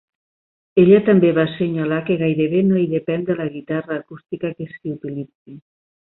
Ella també va assenyalar que gairebé no hi depèn de la guitarra acústica que s'utilitzi.